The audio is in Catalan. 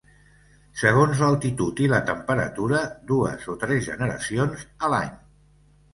Segons l'altitud i la temperatura, dues o tres generacions a l'any.